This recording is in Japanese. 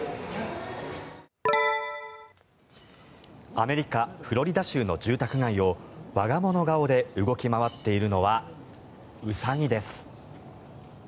アメリカ・フロリダ州の住宅街を我が物顔で動き回っているのはウサギです。